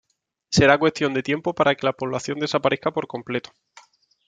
Será cuestión de tiempo para que la población desaparezca por completo.